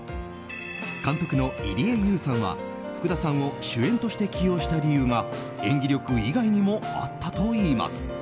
監督の入江悠さんは福田さんを主演として起用した理由が演技力以外にもあったといいます。